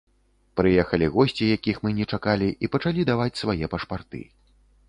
Прыехалі госці, якіх мы не чакалі, і пачалі даваць свае пашпарты.